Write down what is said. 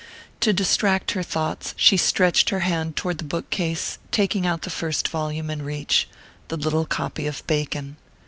_" To distract her thoughts she stretched her hand toward the book case, taking out the first volume in reach the little copy of Bacon.